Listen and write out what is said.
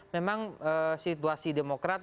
memang situasi demokrat